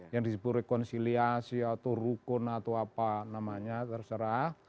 yang disebut rekonsiliasi atau rukun atau apa namanya terserah